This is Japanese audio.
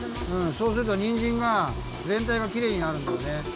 そうするとにんじんがぜんたいがきれいになるんだよね。